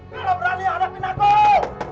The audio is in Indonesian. kau tak berani hadapin aku